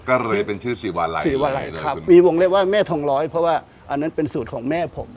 ก็เลยเป็นชื่อสีวาลัยสีวาลัยเลยครับมีวงเรียกว่าแม่ทองร้อยเพราะว่าอันนั้นเป็นสูตรของแม่ผม